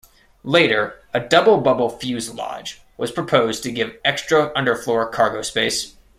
Later a double-bubble fuselage was proposed to give extra underfloor cargo space.